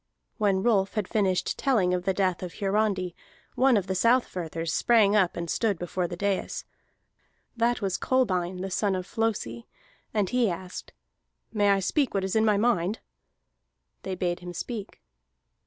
When Rolf had finished telling of the death of Hiarandi, one of the Southfirthers sprang up and stood before the dais. That was Kolbein the son of Flosi, and he asked: "May I speak what is in my mind?" They bade him speak.